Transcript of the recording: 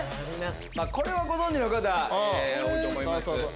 これはご存じの方多いと思います。